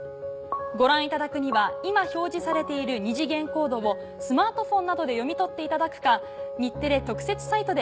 ご覧いただくには今表示されている二次元コードをスマートフォンなどで読み取っていただくか。